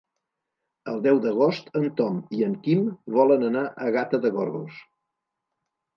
El deu d'agost en Tom i en Quim volen anar a Gata de Gorgos.